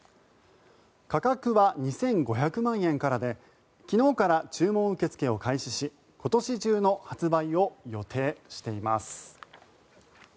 価格は２５００万円からで昨日から注文受け付けを開始し今年中の発売を予定しています。